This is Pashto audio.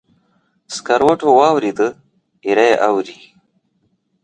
سکروټو واوریده، ایره یې اوري